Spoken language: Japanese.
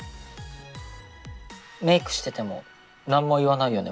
メイクしてても何も言わないよね